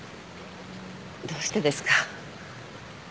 どうしてですか？